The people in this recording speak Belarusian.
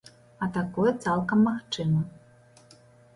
А такое цалкам магчыма.